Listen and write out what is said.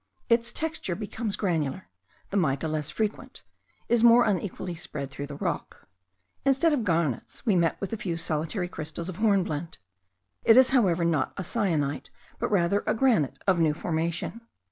Its texture becomes granular; the mica, less frequent, is more unequally spread through the rock. Instead of garnets we met with a few solitary crystals of hornblende. It is, however, not a syenite, but rather a granite of new formation.